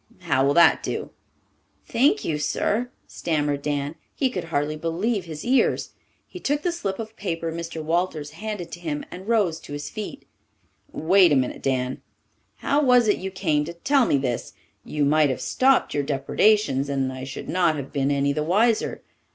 How will that do?" "Thank you, sir," stammered Dan. He could hardly believe his ears. He took the slip of paper Mr. Walters handed to him and rose to his feet. "Wait a minute, Dan. How was it you came to tell me this? You might have stopped your depredations, and I should not have been any the wiser."